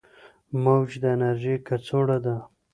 موج د انرژي کڅوړه ده.